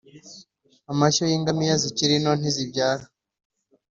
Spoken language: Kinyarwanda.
Amashyo y ingamiya zikiri nto ntizibyara